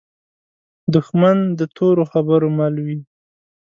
دښمن د تورو خبرو مل وي